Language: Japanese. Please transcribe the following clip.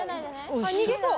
逃げそう。